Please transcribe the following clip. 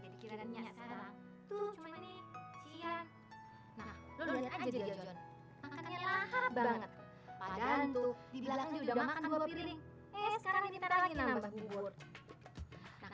makannya harap banget padahal tuh dibilang udah makan dua piring sekarang